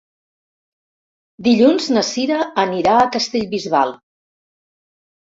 Dilluns na Cira anirà a Castellbisbal.